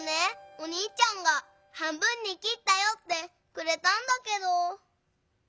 おにいちゃんが「半分にきったよ」ってくれたんだけど。